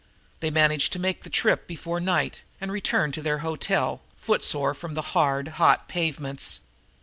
They managed to make the trip before night and returned to the hotel, footsore from the hard, hot pavements.